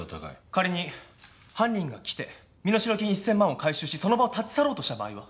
仮に犯人が来て身代金１，０００万を回収しその場を立ち去ろうとした場合は？